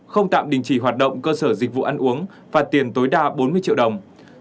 không tạm đình chỉ hoạt động cơ sở dịch vụ ăn uống phạt tiền tối đa bốn mươi triệu đồng